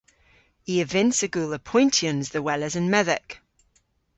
I a vynnsa gul apoyntyans dhe weles an medhek.